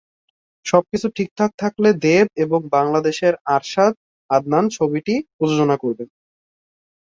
সবকিছু ঠিকঠাক থাকলে দেব এবং বাংলাদেশের আরশাদ আদনান ছবিটি প্রযোজনা করবেন।